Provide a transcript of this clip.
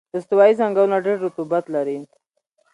استوایي ځنګلونه ډېر رطوبت لري.